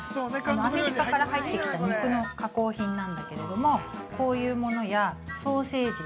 アメリカから入ってきた肉の加工品なんだけれどもこういうものやソーセージ。